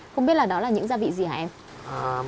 không biết là đó là những gia vị gì hả em